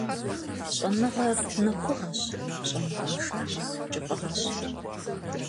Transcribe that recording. Щӏэныгъэр нэхугъэщ, щӏэныгъэншагъэр кӏыфӏыгъэщ.